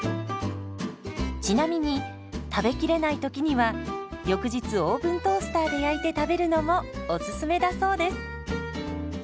ちなみに食べきれないときには翌日オーブントースターで焼いて食べるのもおすすめだそうです。